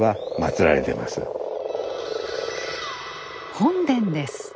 本殿です。